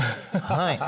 はい。